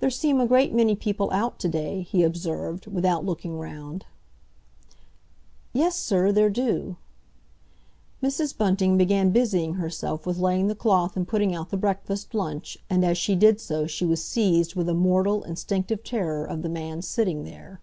"There seem a great many people out today," he observed, without looking round. "Yes, sir, there do." Mrs. Bunting began busying herself with laying the cloth and putting out the breakfast lunch, and as she did so she was seized with a mortal, instinctive terror of the man sitting there.